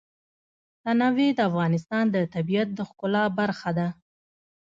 تنوع د افغانستان د طبیعت د ښکلا برخه ده.